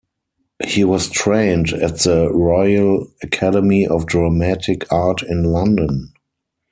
He was trained at the Royal Academy of Dramatic Art in London.